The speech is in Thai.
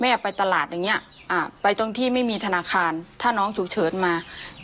ไปตลาดอย่างนี้ไปตรงที่ไม่มีธนาคารถ้าน้องฉุกเฉินมา